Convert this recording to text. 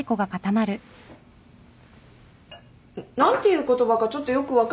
何ていう言葉かちょっとよく分からないな。